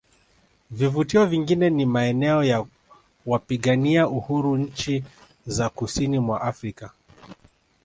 Vivutio vingine ni maeneo ya wapigania uhuru nchi za kusini mwa Afrika